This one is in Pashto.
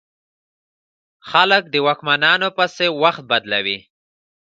خلک د واکمنو پسې وخت بدلوي.